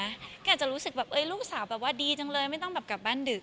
ก็อาจจะรู้สึกแบบลูกสาวแบบว่าดีจังเลยไม่ต้องแบบกลับบ้านดึก